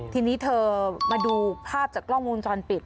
ทีนี้เธอมาดูภาพจากกล้องวงจรปิด